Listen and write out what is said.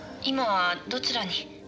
今はどちらに？